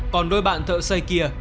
còn đôi bạn thợ xây kia